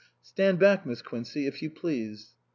" Stand back, Miss Quincey, if you please."